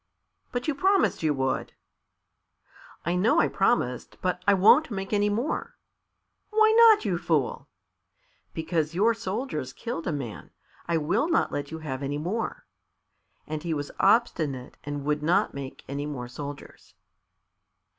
"But you promised you would." "I know I promised, but I won't make any more." "Why not, you fool?" "Because your soldiers killed a man. I will not let you have any more." And he was obstinate, and would not make any more soldiers.